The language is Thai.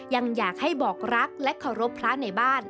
ยังอยากให้บอกรักและเคารพพระในบ้าน